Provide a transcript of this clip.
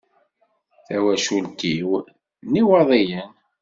Tawacult-iw n Iwaḍiyen.